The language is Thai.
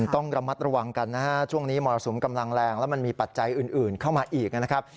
ต้องระมัดระวังกันนะฮะช่วงนี้มรสุมกำลังแรงแล้วมันมีปัจจัยอื่นเข้ามาอีกนะครับ